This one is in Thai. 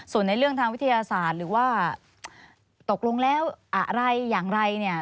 ส่วนในเรื่องทางวิทยาศาสตร์หรือว่าตกลงแล้วอะไรอย่างไรเนี่ย